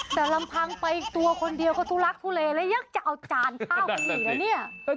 แต่ลำพังไปอีกตัวคนเดียวก็ทุลักษณ์ทุเลและยังจะเอาจานข้าวของอีกแล้วเนี่ย